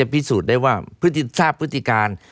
พิสูจน์ได้ว่าทราบพฤติการ